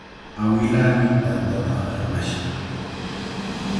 Awilaami tantata qaramashqa.